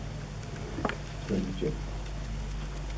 Kraliçe…